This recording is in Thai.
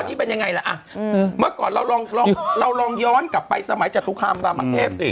นี่เป็นยังไงล่ะเมื่อก่อนเราลองเราลองย้อนกลับไปสมัยจตุคามรามเทพสิ